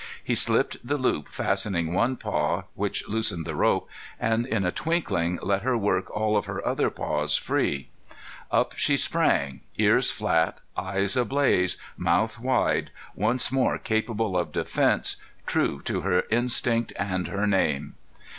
He slipped the loop fastening one paw, which loosened the rope, and in a twinkling let her work all of her other paws free. Up she sprang, ears flat, eyes ablaze, mouth wide, once more capable of defense, true to her instinct and her name.